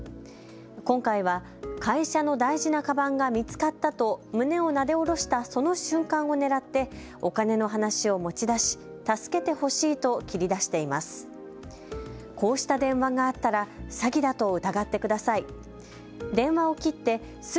今回は会社の大事なかばんが見つかったと胸をなで下ろしたその瞬間をねらってお金の話を持ち出し、助けてほしいと切り出しています。